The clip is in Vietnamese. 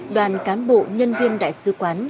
đoàn cán bộ nhân viên đại sứ quán